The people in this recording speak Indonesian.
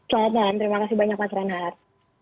selamat malam terima kasih banyak pak renhat